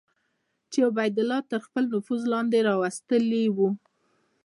چې عبیدالله تر خپل نفوذ لاندې راوستلي وو.